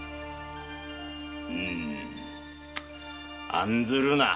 案ずるな。